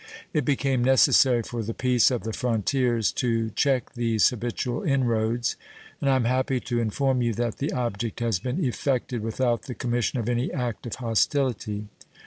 It became necessary for the peace of the frontiers to check these habitual inroads, and I am happy to inform you that the object has been effected without the commission of any act of hostility.